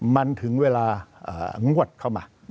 มันถึงเวลางวดเข้ามา